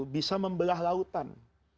bisa membelah lautan